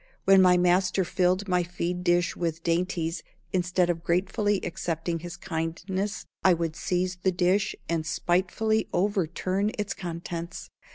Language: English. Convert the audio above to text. When my master filled my feed dish with dainties, instead of gratefully accepting his kindness I would seize the dish and spitefully overturn its contents.